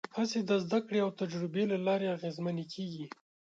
هڅې د زدهکړې او تجربې له لارې اغېزمنې کېږي.